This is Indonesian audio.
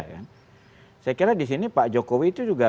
saya kira di sini pak jokowi itu juga